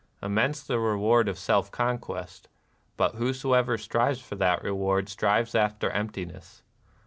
Immense the reward of self conquest ; but whosoever strives for that reward strives after emptiness.